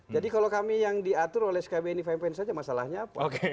jadi kalau kami yang diatur oleh skb ini fine fine saja masalahnya apa